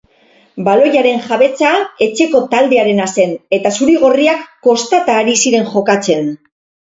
Baloiaren jabetza etxeko taldearena zen eta zuri-gorriak kostata ari ziren jokatzen.